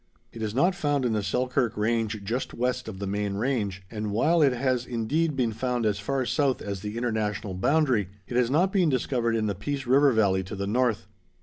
It is not found in the Selkirk Range just west of the main range, and while it has indeed been found as far south as the International boundary, it has not been discovered in the Peace River valley to the north.